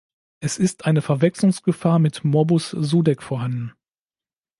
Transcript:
Es ist eine Verwechslungsgefahr mit Morbus Sudeck vorhanden.